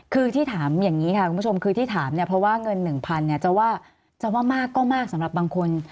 คือที่ถามอย่างนี้ค่ะคุณผู้ชมคือที่ถามเนี่ยเพราะว่าเงิน๑๐๐เนี่ยจะว่าจะว่ามากก็มากสำหรับบางคน